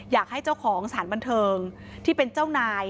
อยากให้เจ้าของสถานบันเทิงที่เป็นเจ้านาย